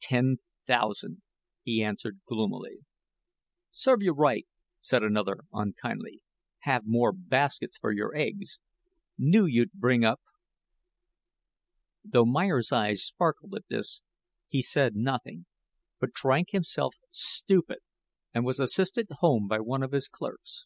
"Ten thousand," he answered, gloomily. "Serve you right," said another, unkindly; "have more baskets for your eggs. Knew you'd bring up." Though Mr. Meyer's eyes sparkled at this, he said nothing, but drank himself stupid and was assisted home by one of his clerks.